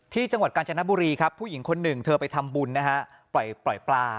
จังหวัดกาญจนบุรีครับผู้หญิงคนหนึ่งเธอไปทำบุญนะฮะปล่อยปลา